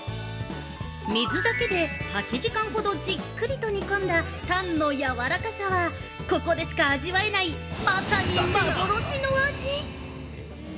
水だけで、８時間ほどじっくりと煮込んだタンのやわらかさは、ここでしか味わえないまさに幻の味。